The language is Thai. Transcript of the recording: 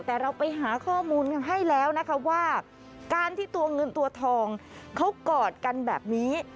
แต่เราไปหาข้อมูลกันให้แล้วนะคะว่าการที่ตัวเงินตัวทองเขากอดกันแบบนี้